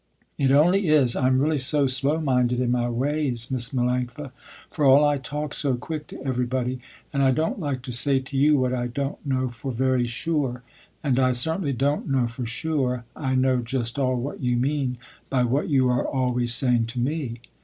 It only is, I am really so slow minded in my ways, Miss Melanctha, for all I talk so quick to everybody, and I don't like to say to you what I don't know for very sure, and I certainly don't know for sure I know just all what you mean by what you are always saying to me.